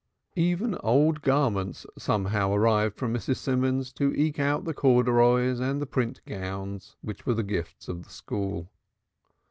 Even old garments somehow arrived from Mrs. Simons to eke out the corduroys and the print gowns which were the gift of the school.